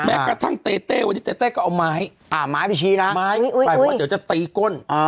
แม้กระทั่งเต้เต้ว่าเต้ก็เอาไม้ไม้พิชีนะเดี๋ยวจะตีก้น